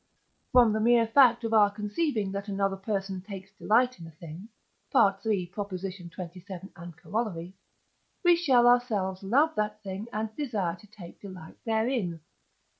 From the mere fact of our conceiving that another person takes delight in a thing (III. xxvii. and Coroll.) we shall ourselves love that thing and desire to take delight therein.